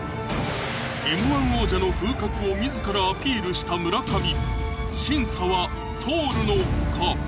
Ｍー１王者の風格を自らアピールした村上審査は通るのか